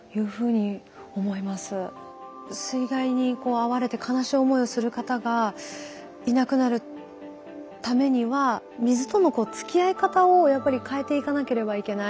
水害に遭われて悲しい思いをする方がいなくなるためには水とのつきあい方をやっぱり変えていかなければいけない。